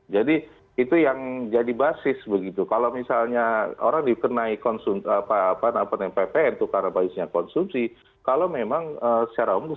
jadi itu yang jadi basis begitu kalau misalnya orang dikenai konsumsi apa apa namanya ppn itu karena biasanya konsumsi kalau memang secara umum